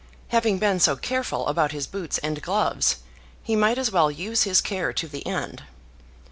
Having been so careful about his boots and gloves he might as well use his care to the end.